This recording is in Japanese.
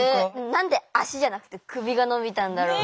何で足じゃなくて首が伸びたんだろう。